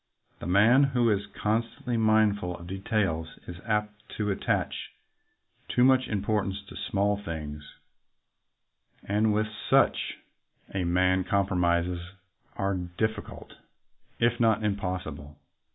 The man who is con stantly mindful of details is apt to attach too much importance to small things, and with such 100 THE MANAGING CLERK a man compromises are difficult, if not impos sible.